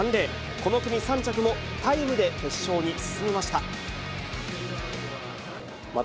この組３着も、タイムで決勝に進みました。